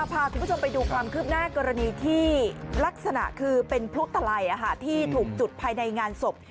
พาคุณผู้ชมไปดูความคืบหน้ากรณีที่ลักษณะคือเป็นพลุตลัยที่ถูกจุดภายในงานศพ